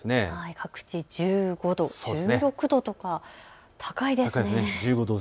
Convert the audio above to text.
各地１５度、１６度とか、高いですね。